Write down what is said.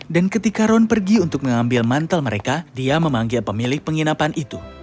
dan ketika ron pergi untuk mengambil mantel mereka dia memanggil pemilik penginapan itu